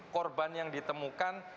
korban yang ditemukan